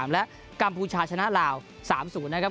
และกัมพูชาชนะลาว๓๐นะครับ